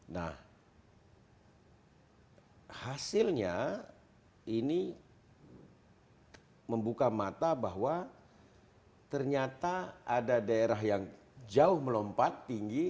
nah hasilnya ini membuka mata bahwa ternyata ada daerah yang jauh melompat tinggi